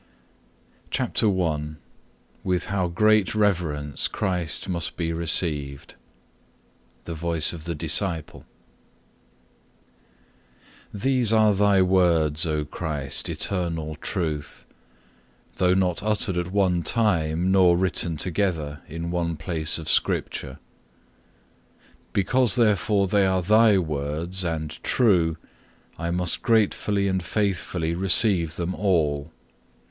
CHAPTER I With how great reverence Christ must be received The Voice of the Disciple These are Thy words, O Christ, Eternal Truth; though not uttered at one time nor written together in one place of Scripture. Because therefore they are Thy words and true, I must gratefully and faithfully receive them all.